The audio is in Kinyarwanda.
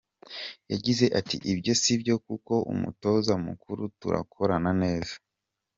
Yagize ati “Ibyo sibyo kuko umutoza mukuru turakorana neza.